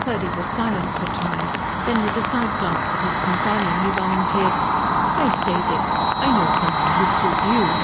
Purdy was silent for a time. Then, with a side glance at his companion, he volunteered: "I say, Dick, I know some one who'd suit you."